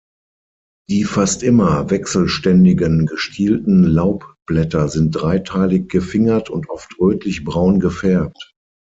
Die fast immer wechselständigen, gestielten Laubblätter sind dreiteilig gefingert und oft rötlich-braun gefärbt.